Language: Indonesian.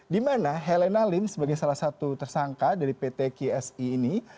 di mana helena lim sebagai salah satu tersangka dari pt ksi ini